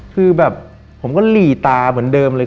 คือแบบผมก็หลีตาเหมือนเดิมเลย